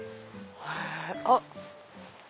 あっ！